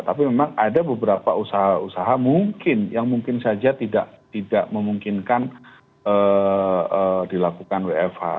tapi memang ada beberapa usaha usaha mungkin yang mungkin saja tidak memungkinkan dilakukan wfh